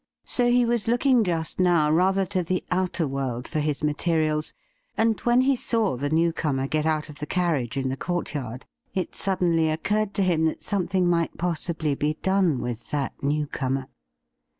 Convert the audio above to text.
So he was looking just now rather to the outer world for his materials, and when he saw the new comer get out of the carriage in the courtyard, it suddenly occurred to him that something might possibly be done with that new comer.